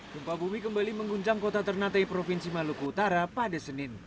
gempa bumi kembali mengguncang kota ternate provinsi maluku utara pada senin